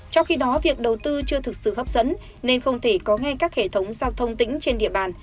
trong khi đó việc đầu tư chưa thực sự hấp dẫn nên không thể có ngay các hệ thống giao thông tỉnh trên địa bàn